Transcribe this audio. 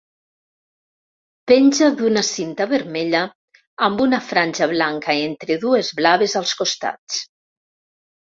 Penja d'una cinta vermella, amb una franja blanca entre dues blaves als costats.